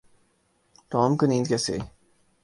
Tom کو نیند کیسی ائی؟